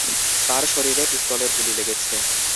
তাঁর শরীরে পিস্তলের গুলি লেগেছে।